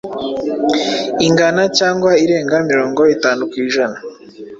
ingana cyangwa irenga mirongo itanu ku ijana ,